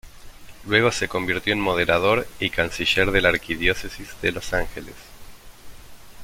Luego se convirtió en moderador y canciller de la Arquidiócesis de Los Ángeles.